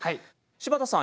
柴田さん